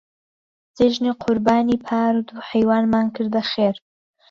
جێژنی قوربانی پار دوو حەیوانمان کردنە خێر.